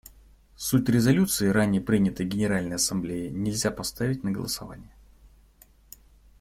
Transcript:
Суть резолюции, ранее принятой Генеральной Ассамблеей, нельзя поставить на голосование.